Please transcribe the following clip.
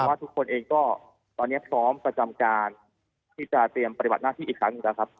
ว่าทุกคนเองก็ตอนนี้พร้อมประจำการที่จะเตรียมปฏิบัติหน้าที่อีกครั้งหนึ่งแล้วครับ